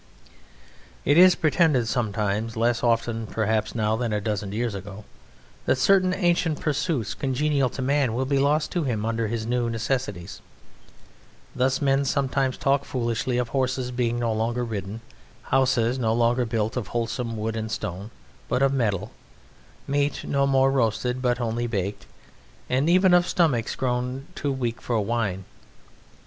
It is pretended sometimes (less often perhaps now than a dozen years ago) that certain ancient pursuits congenial to man will be lost to him under his new necessities; thus men sometimes talk foolishly of horses being no longer ridden, houses no longer built of wholesome wood and stone, but of metal; meat no more roasted, but only baked; and even of stomachs grown too weak for wine.